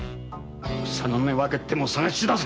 草の根わけても捜し出せ！